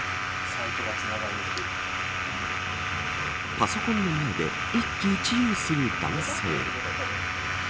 パソコンの前で一喜一憂する男性。